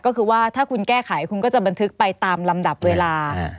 ก็คือว่าถ้าคุณแก้ไขคุณก็จะบันทึกไปตามลำดับเวลา